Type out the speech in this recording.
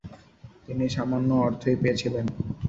তিনি সামান্য অর্থই পেয়েছিলেন।